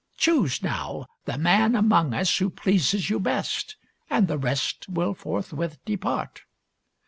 Choose, now, the man among us who pleases you best, and the rest will forthwith depart."